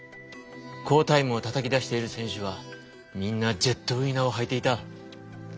好タイムをたたきだしている選手はみんなジェットウィナーをはいていた。